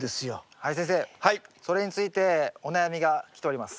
はい先生それについてお悩みが来ております。